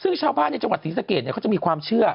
ซึ่งชาวบ้านในจังหวัดศรีสะเกดเขาจะมีความเชื่อ